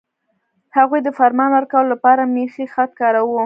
هغوی د فرمان ورکولو لپاره میخي خط کاراوه.